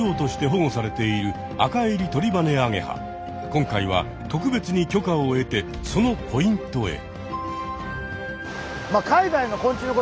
今回は特別に許可を得てそのポイントへ。